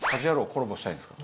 コラボしたいですか？